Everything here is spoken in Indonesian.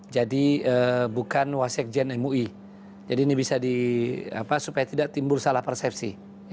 jadi bukan wasakjian mui jadi ini bisa supaya tidak timbul salah persepsi